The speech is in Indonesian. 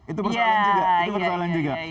itu persoalan juga